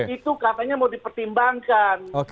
itu katanya mau dipertimbangkan